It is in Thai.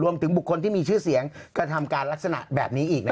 รวมถึงบุคคลที่มีชื่อเสียงกระทำการลักษณะแบบนี้อีก